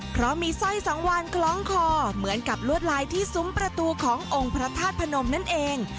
เพราะมีสร้อยสังวานคล้องคอเหมือนกับลวดลายที่ซุ้มประตูขององค์พระธาตุพนมนั่นเอง